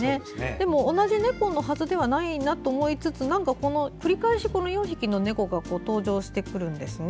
でも同じ猫のはずではないなと思いつつなんか繰り返し４匹の猫が登場してくるんですね。